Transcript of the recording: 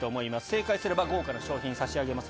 正解すれば豪華な賞品差し上げます。